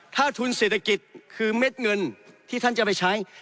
ถ้าทุนเศรษฐกิจคือเม็ดเงินที่ท่านจะไปใช้